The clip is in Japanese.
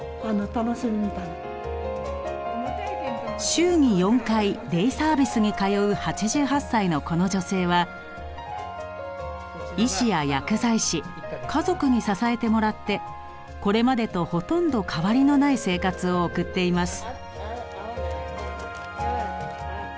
週に４回デイサービスに通う８８歳のこの女性は医師や薬剤師家族に支えてもらってこれまでとほとんど変わりのない生活を送っています。